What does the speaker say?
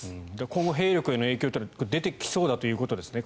今後、兵力への影響は出てきそうだということですね。